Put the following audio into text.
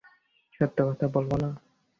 সত্য কথা বলব না?